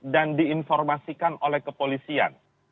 dan diinformasikan oleh kepolisian